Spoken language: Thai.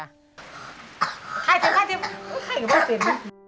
ไข่ไข่กับสิน